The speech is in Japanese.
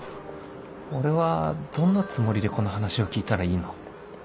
俺はどんなつもりでこの話を聞いたらいいの？